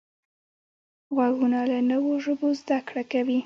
غوږونه له نوو ژبو زده کړه کوي